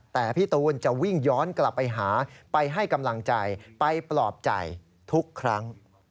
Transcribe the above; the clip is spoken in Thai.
แต่พี่ตูนจะวิ่งย้อนกลับไปหาไปให้กำลังใจไปปลอบใจทุกครั้ง